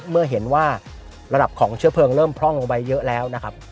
เมื่อเห็นว่าระดับของเชื้อเพลิงเริ่มพร่องลงไปเยอะแล้วนะครับ